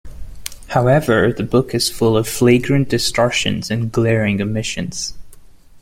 However, the book is full of flagrant distortions and glaring omissions.